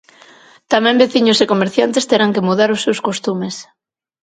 Tamén veciños e comerciantes terán que mudar os seus costumes.